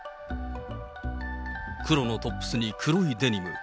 黒のトップスに黒いデニム。